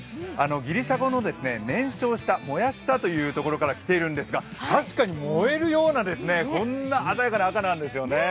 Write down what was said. ギリシア語の燃焼した、燃やしたというところから来ているんですが確かに燃えるような、こんな鮮やかな赤なんですよね。